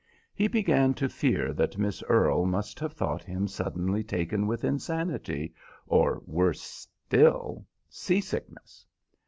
He began to fear that Miss Earle must have thought him suddenly taken with insanity, or, worse still, sea sickness.